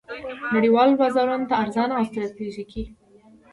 نړیوالو بازارونو ته ارزانه او ستراتیژیکې